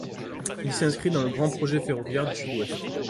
Il s'inscrit dans le Grand projet ferroviaire du Sud-Ouest.